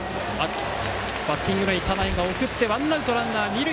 バッティングのいい田内が送ってワンアウトランナー、二塁。